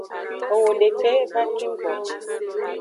Owo deke va keng gboxwe.